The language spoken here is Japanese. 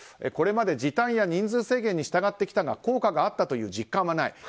これまで時短や人数制限に従ってきたが効果があったという実感がない。